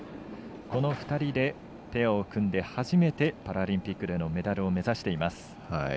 この２人でペアを組んで初めて、パラリンピックでのメダルを目指しています。